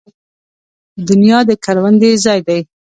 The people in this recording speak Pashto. دنیا د کروندې ځای دی